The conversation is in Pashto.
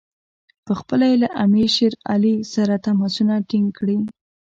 پخپله یې له امیر شېر علي سره تماسونه ټینګ کړي.